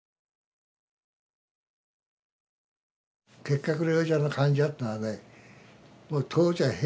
結核療養所の患者っていうのはね